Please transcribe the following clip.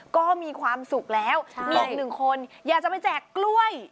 ก็มีความสุขแล้วมีอีกหนึ่งคนอยากจะไปแจกกล้วย